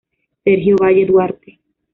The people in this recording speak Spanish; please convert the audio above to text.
Sergio Valle Duarte.